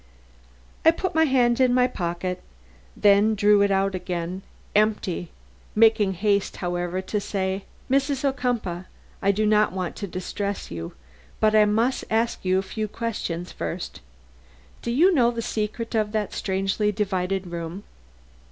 I put my hand in my pocket, then drew it out again empty, making haste, however, to say: "Mrs. Ocumpaugh, I do not want to distress you, but I must ask you a few questions first. Do you know the secret of that strangely divided room?"